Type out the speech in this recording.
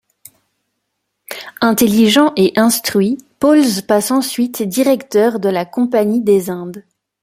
Intelligent et instruit, Paulze passe ensuite directeur de la compagnie des Indes.